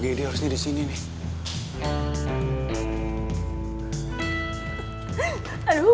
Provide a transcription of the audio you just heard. aduh aku mahal ya cewek